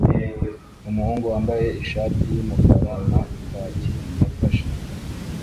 Umuhungu wambaye ishati yumukara na khakis afashe